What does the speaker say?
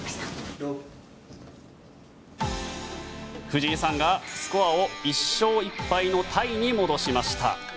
藤井さんがスコアを１勝１敗のタイに戻しました。